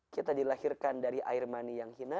kita dilahirkan dari air mani yang hina